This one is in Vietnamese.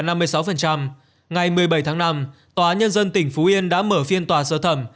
ngày một mươi bảy tháng năm tòa nhân dân tỉnh phú yên đã mở phiên tòa sơ thẩm